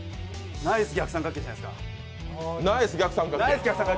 ナイス逆三角形じゃないですか。